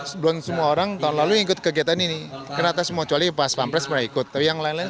sebelum semua orang tahun lalu ikut kegiatan ini karena semua calipas pampres berikut yang lain